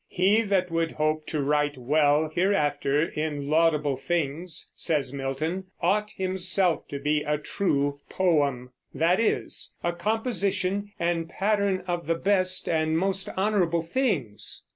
"He that would hope to write well hereafter in laudable things," says Milton, "ought himself to be a true poem; that is, a composition and pattern of the best and most honorable things."